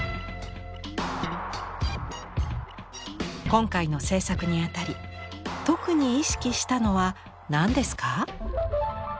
今回の制作にあたり特に意識したのは何ですか？